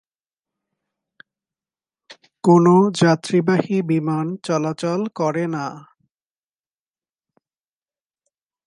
কোনো যাত্রীবাহী বিমান চলাচল করে না।